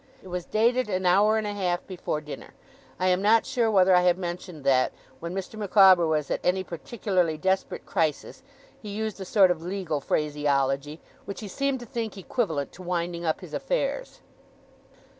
It was dated an hour and a half before dinner. I am not sure whether I have mentioned that, when Mr. Micawber was at any particularly desperate crisis, he used a sort of legal phraseology, which he seemed to think equivalent to winding up his affairs.